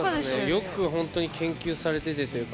よく本当に研究されててというか